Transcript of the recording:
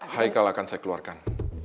michael akan saya keluarkan